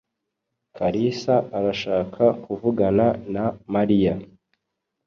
Kalisa arashaka kuvugana na Mariya.